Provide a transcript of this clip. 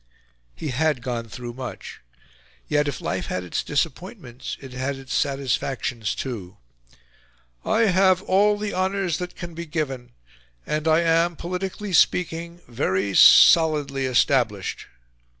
He had gone through much; yet, if life had its disappointments, it had its satisfactions too. "I have all the honours that can be given, and I am, politically speaking, very solidly established."